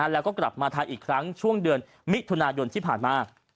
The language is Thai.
แล้วก็กลับมาไทยอีกครั้งช่วงเดือนมิถุนายนที่ผ่านมา